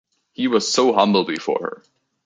He was so humble before her.